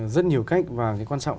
rất nhiều cách và quan trọng